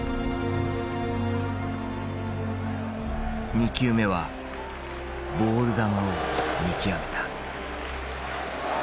２球目はボール球を見極めた。